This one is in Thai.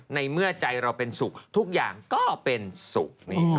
ในเมื่อใจเราเป็นสุขทุกอย่างก็เป็นสุข